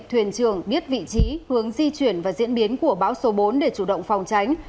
thuyền trường biết vị trí hướng di chuyển và diễn biến của bão số bốn để chủ động phòng tránh